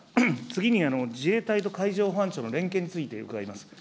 次に自衛隊と海上保安庁の連携について伺います。